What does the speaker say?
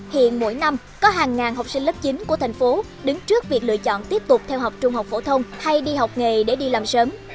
hiện mỗi năm có hàng ngàn học sinh lớp chín của thành phố đứng trước việc lựa chọn tiếp tục theo học trung học phổ thông hay đi học nghề để đi làm sớm